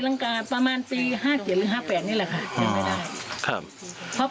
ศรีลังกาประมาณปี๕๗หรือ๕๘นี่แหละค่ะ